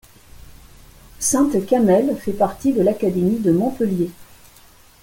Sainte-Camelle fait partie de l'académie de Montpellier.